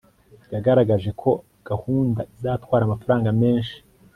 yagaragaje ko gahunda izatwara amafaranga menshi